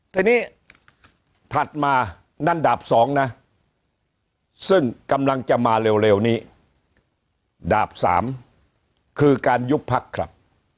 ทีนี้ถัดมานั่นดาบ๒นะซึ่งกำลังจะมาเร็วนี้ดาบ๓คือการยุบพักครับ